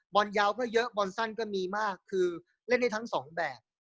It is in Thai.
บอลยาวก็เยอะบอลสั้นก็มีมากคือเล่นได้ทั้งสองแบบ